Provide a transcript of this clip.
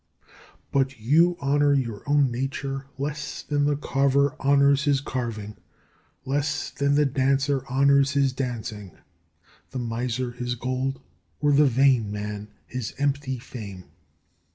But you honour your own nature less than the carver honours his carving, less than the dancer honours his dancing, the miser his gold, or the vain man his empty fame.